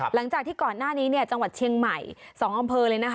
หลังจากที่ก่อนหน้านี้จังหวัดเชียงใหม่๒อำเภอเลยนะคะ